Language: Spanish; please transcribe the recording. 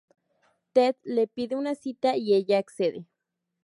Ted le pide una cita, y ella accede.